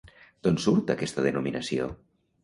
D'on surt aquesta denominació?